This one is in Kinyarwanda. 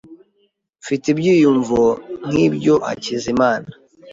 Mfite ibyiyumvo nk'ibyo, Hakizimana .